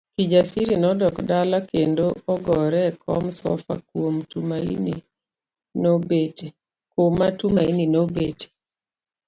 Kijasiri nodok dala kendo ogore e kom sofa kuma Tumaini nobete.